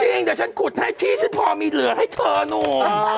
เพลแต่ครับฉันขุดให้พี่ฉันพอมีเหลือให้เธอนุม